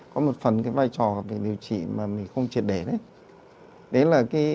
có một phần cái vai trò về điều trị mà mình không triệt để đấy